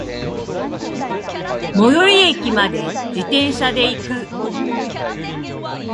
最寄駅まで、自転車で行く。